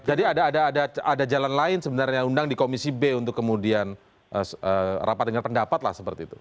jadi ada jalan lain sebenarnya undang di komisi b untuk kemudian rapat dengan pendapat lah seperti itu